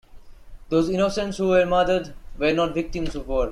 Those innocents who were murdered...were not victims of war.